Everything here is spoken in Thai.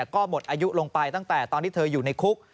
ก็หมดอายุลงไปตั้งแต่ตอนที่เธออยู่ในคุก